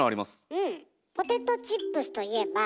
うん。